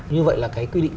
như vậy là cái quy định